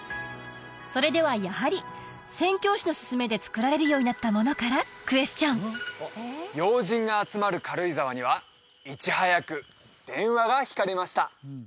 それではやはり宣教師の勧めで作られるようになったものからクエスチョン要人が集まる軽井沢にはいち早く電話が引かれました